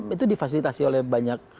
itu difasilitasi oleh banyak